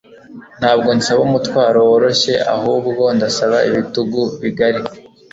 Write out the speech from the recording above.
Ntabwo nsaba umutwaro woroshye, ahubwo ndasaba ibitugu bigari.